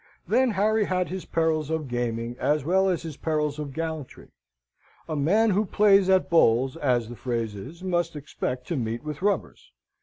Then Harry had his perils of gaming, as well as his perils of gallantry. A man who plays at bowls, as the phrase is, must expect to meet with rubbers.